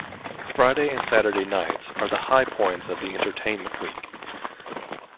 Friday and Saturday nights are the high points of the entertainment week.